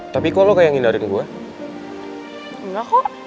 tapi kau tulang dari mana